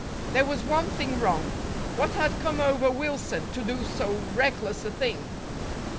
There was one thing wrong. What had come over Wilson, to do so reckless a thing?